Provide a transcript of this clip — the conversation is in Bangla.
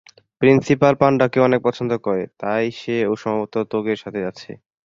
প্রিন্সিপাল পান্ডাকেও অনেক পছন্দ করে, তাই সে ও সম্ভবত তোগের সাথে আছে।